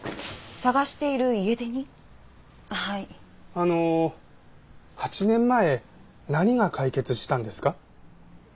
あの８年前何が解決したんですか？